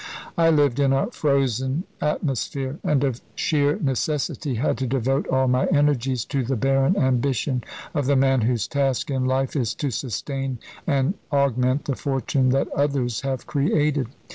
I lived in a frozen atmosphere; and of sheer necessity had to devote all my energies to the barren ambition of the man whose task in life is to sustain and augment the fortune that others have created.